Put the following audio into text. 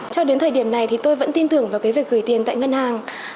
cho đến thời điểm này thì tôi vẫn tin tưởng vào cái việc gửi tiền tại ngân hàng